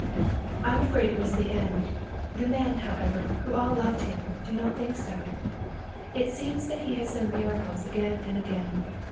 "I am afraid it was the end. The men, however, who all loved him, do not think so. It seems that he has done miracles again and again.